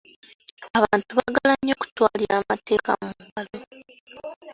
Abantu baagala nnyo okutwalira amateeka mu ngalo.